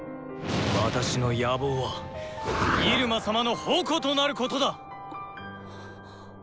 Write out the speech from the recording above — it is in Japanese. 私の野望は入間様の矛となることだ！